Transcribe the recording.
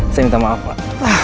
saya minta maaf pak